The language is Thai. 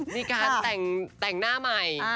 มีการแต่งหน้าใหม่